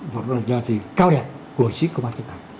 chính công an của chúng ta